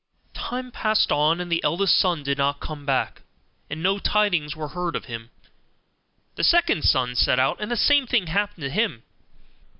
Time passed on; and as the eldest son did not come back, and no tidings were heard of him, the second son set out, and the same thing happened to him.